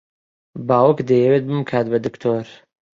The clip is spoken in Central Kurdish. باوک دەیەوێت بمکات بە دکتۆر.